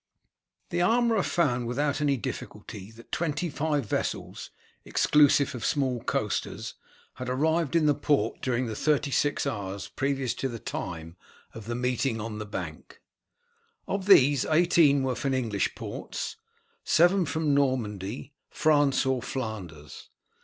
The armourer found without any difficulty that twenty five vessels, exclusive of small coasters, had arrived in the port during the thirty six hours previous to the time of the meeting on the bank. Of these, eighteen were from English ports, seven from Normandy, France, or Flanders.